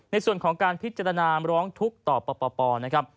ในส่วนของการพิจารณาร้องทุกข์ต่อปปนะครับ